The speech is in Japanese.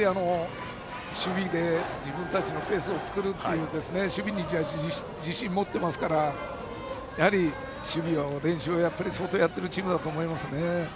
守備で自分たちのペースを作るという守備に自信を持っていますからやはり守備は練習を相当やってるチームだと思います。